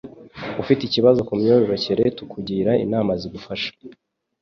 Ufite ikibazo kumyororokere tukugira inama zigufasha.